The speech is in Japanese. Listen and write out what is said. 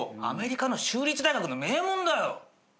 アメリカの州立大学の名門だよ。